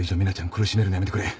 苦しめるのやめてくれ。